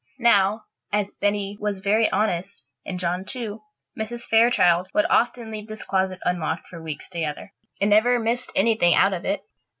Now, as Betty was very honest, and John, too, Mrs. Fairchild would often leave this closet unlocked for weeks together, and never missed anything out of it.